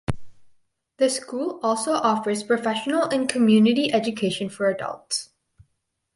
The school also offers professional and community education for adults.